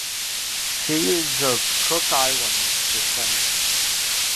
He is of Cook Islands descent.